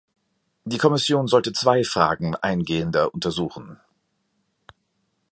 Die Kommission sollte zwei Fragen eingehender untersuchen.